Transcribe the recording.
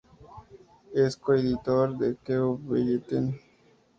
Es coeditor de "Kew Bulletin"